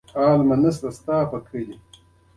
تقریبا یو کیلوګرام میده مالګه د چونې له اړوب سره ګډه کړئ.